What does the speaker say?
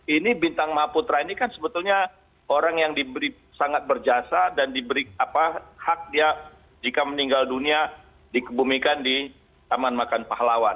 ini bintang mahaputra ini kan sebetulnya orang yang diberi sangat berjasa dan diberi hak dia jika meninggal dunia dikebumikan di taman makan pahlawan